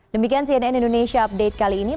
demikian cnn indonesia update kali ini